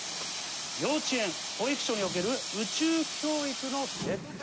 幼稚園・保育所における宇宙教育の徹底。